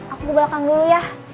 aku di belakang dulu ya